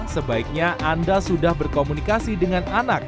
sebaiknya anda sudah berkomunikasi dengan anak